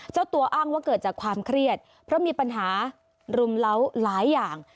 เจ้าตัวอ้างว่าเกิดจากความเครียดเพราะมีปัญหารุมเล้าหลายอย่าง